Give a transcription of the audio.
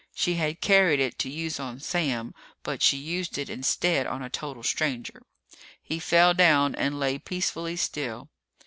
She had carried it to use on Sam, but she used it instead on a total stranger. He fell down and lay peacefully still.